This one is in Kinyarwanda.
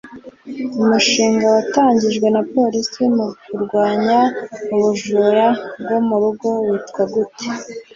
Umushinga watangijwe na polisi mu kurwanya ubujura bwo mu rugo witwa gute?